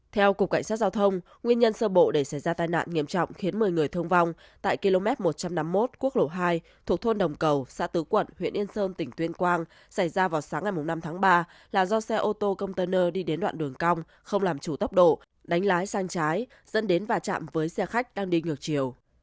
theo cục cảnh sát giao thông nguyên nhân sơ bộ để xảy ra tai nạn nghiêm trọng khiến một mươi người thương vong tại km một trăm năm mươi một quốc lộ hai thuộc thôn đồng cầu xã tứ quận huyện yên sơn tỉnh tuyên quang xảy ra vào sáng ngày năm tháng ba là do xe ô tô container đi đến đoạn đường cong không làm chủ tốc độ đánh lái sang trái dẫn đến va chạm với xe khách đang đi ngược chiều